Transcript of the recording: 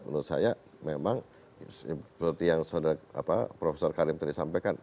menurut saya memang seperti yang prof karim tadi sampaikan